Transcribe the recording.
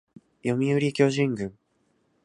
読売巨人軍